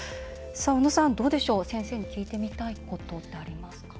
おのさん、どうでしょう先生に聞いてみたいことってありますか？